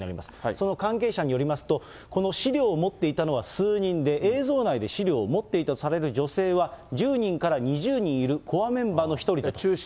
その関係者によりますと、この資料を持っていたのは数人で、映像内で資料を持っていたとされる女性は、１０人から２０人いるコアメンバーの１人だと。